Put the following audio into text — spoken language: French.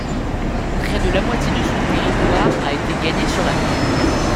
Près de la moitié de son territoire a été gagné sur la mer.